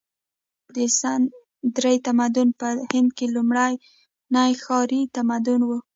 د سند درې تمدن په هند کې لومړنی ښاري تمدن و.